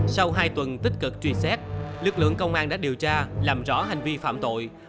sau hai tuần tích cực truy xét lực lượng công an đã điều tra làm rõ hành vi phạm tội